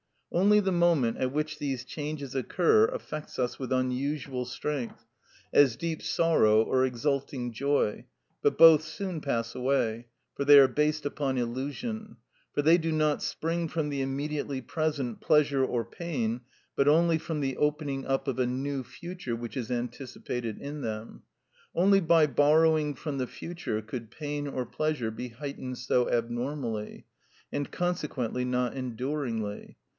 Only the moment at which these changes occur affects us with unusual strength, as deep sorrow or exulting joy, but both soon pass away, for they are based upon illusion. For they do not spring from the immediately present pleasure or pain, but only from the opening up of a new future which is anticipated in them. Only by borrowing from the future could pain or pleasure be heightened so abnormally, and consequently not enduringly.